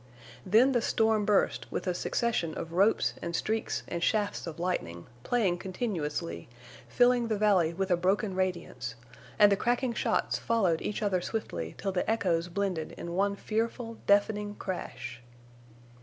Then the storm burst with a succession of ropes and streaks and shafts of lightning, playing continuously, filling the valley with a broken radiance; and the cracking shots followed each other swiftly till the echoes blended in one fearful, deafening crash.